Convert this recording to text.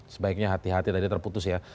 sebaiknya hati hati tadi terputus ya